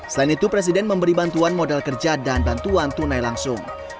selain itu presiden memberi bantuan modal kerja dan bantuan tunai langsung